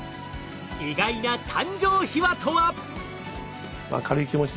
意外な誕生秘話とは？